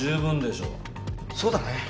そうだね。